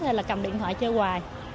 hay là cầm điện thoại chơi hoài